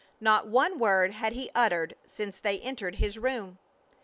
Not one word had he uttered since they entered his room.